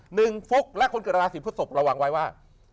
หนึ่งฟุกและคนเกิดราชีพศพระวังไว้ว่า